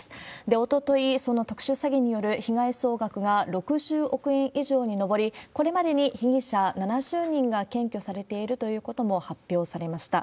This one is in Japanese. おととい、その特殊詐欺による被害総額が６０億円以上に上り、これまでに被疑者７０人が検挙されているということも発表されました。